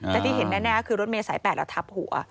แต่ที่เห็นแน่คือรถเมษาย๘แล้วทับหัว